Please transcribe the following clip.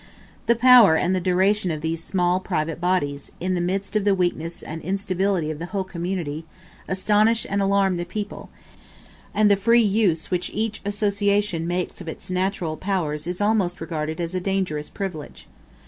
The power and the duration of these small private bodies, in the midst of the weakness and instability of the whole community, astonish and alarm the people; and the free use which each association makes of its natural powers is almost regarded as a dangerous privilege.